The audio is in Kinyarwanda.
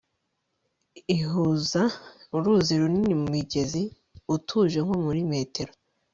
ihuza uruzi runini mu mugezi utuje nko muri metero